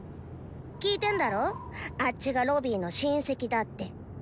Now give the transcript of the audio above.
聞いてんだろあッチがロビーの「親戚」だって。